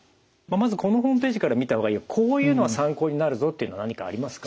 まずこのホームページから見た方がいいよこういうのは参考になるぞっていうのは何かありますか？